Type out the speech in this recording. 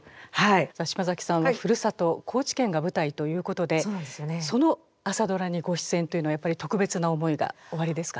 さあ島崎さんはふるさと高知県が舞台ということでその「朝ドラ」にご出演というのはやっぱり特別な思いがおありですか？